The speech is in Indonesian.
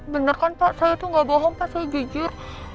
bener kan pak saya itu nggak bohong pak saya jujur